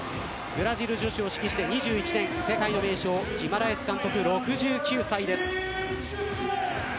監督はブラジル女子を指揮して２１年ギマラエス監督、６９歳です。